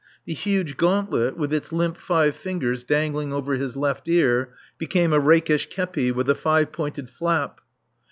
The huge gauntlet, with its limp five fingers dangling over his left ear, became a rakish képi with a five pointed flap.